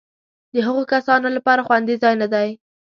د هغو کسانو لپاره خوندي ځای نه دی.